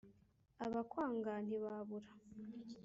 abakwanga ntibabura